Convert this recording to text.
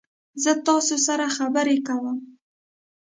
زه تاسو سره خبرې کوم.